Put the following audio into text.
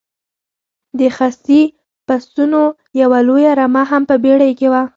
د خسي پسونو یوه لویه رمه هم په بېړۍ کې وه.